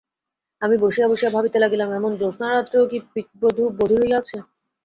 আমি বসিয়া বসিয়া ভাবিতে লাগিলাম, এমন জ্যোৎস্নারাত্রেও কি পিকবধূ বধির হইয়া আছে।